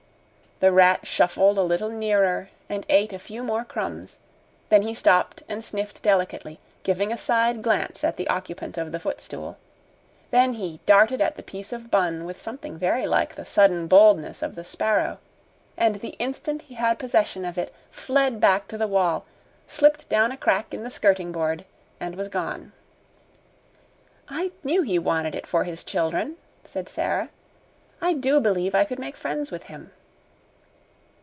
The rat shuffled a little nearer and ate a few more crumbs, then he stopped and sniffed delicately, giving a side glance at the occupant of the footstool; then he darted at the piece of bun with something very like the sudden boldness of the sparrow, and the instant he had possession of it fled back to the wall, slipped down a crack in the skirting board, and was gone. "I knew he wanted it for his children," said Sara. "I do believe I could make friends with him."